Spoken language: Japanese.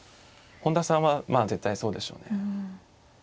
本田さんはまあ絶対そうでしょうね。